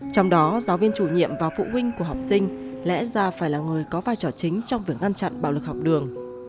trong đó giáo viên chủ nhiệm và phụ huynh của học sinh lẽ ra phải là người có vai trò chính trong việc ngăn chặn bạo lực học đường